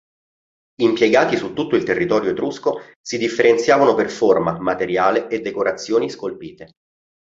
Impiegati su tutto il territorio etrusco si differenziavano per forma, materiale e decorazioni scolpite.